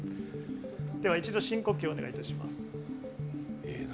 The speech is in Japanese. では、一度、深呼吸をお願いします。